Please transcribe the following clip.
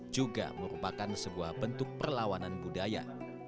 juga merupakan sebuah bentuk perlawanan budaya